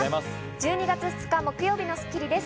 １２月２日、木曜日の『スッキリ』です。